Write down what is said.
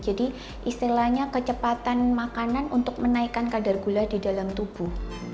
jadi istilahnya kecepatan makanan untuk menaikkan kadar gula di dalam tubuh